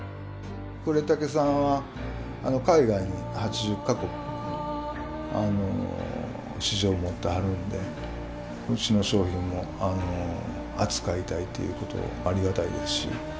呉竹さんは海外に８０か国、市場を持ってはるんで、うちの商品を扱いたいということはありがたいですし。